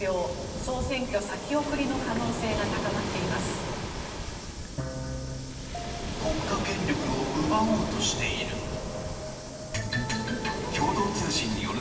総選挙先送りの可能性が高まっています。